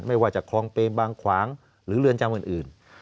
ไม่ว่าจะคลองเปรมบางขวางหรือเรือนจำอื่น